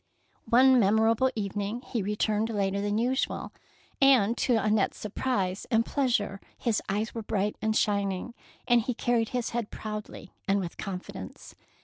One memorable evening he returned later than usual, and to Annette's sur prise and pleasure his eyes were bright and shining, and he carried his head proudly and with confidence.